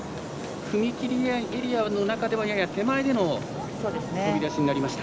踏み切りエリアの中ではやや手前での飛び出しになりました。